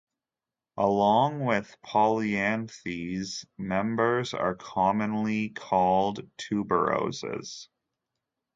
Along with "Polianthes", members are commonly called tuberoses.